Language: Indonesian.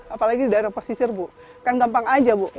apalagi di daerah posisir kan gampang aja